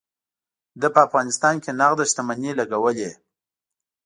ده په افغانستان کې نغده شتمني لګولې.